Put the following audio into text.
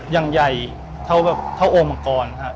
อย่างใหญ่เท่าโอมกรฮะ